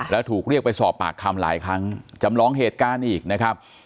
แล้วถูกเรียกไปสอบปากคำหลายครั้งจำลองเหตุการณ์อีกนะครับ